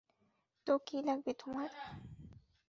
তো, কী লাগবে তোমার?